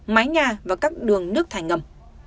mái nhà và các đường nước thải ngầm